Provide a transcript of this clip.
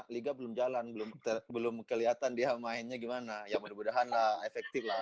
liga belum jalan belum kelihatan dia mainnya gimana ya mudah mudahan lah efektif lah